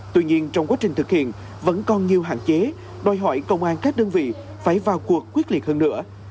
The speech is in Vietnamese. tuy nhiên trong quá trình thực hiện vẫn còn nhiều hạn chế đòi hỏi công an các đơn vị phải vào cuộc quyết liệt hơn nữa